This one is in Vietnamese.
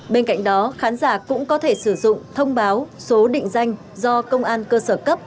bên cạnh đó khán giả cũng có thể sử dụng thông báo số định danh do công an cơ sở cấp